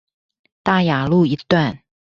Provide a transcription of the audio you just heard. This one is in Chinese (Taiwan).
大雅路一段